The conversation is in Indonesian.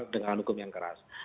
dengan hukum yang keras